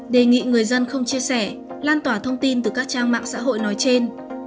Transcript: đề nghị người dân không chia sẻ lan tỏa thông tin từ các trang mạng xã hội nói trên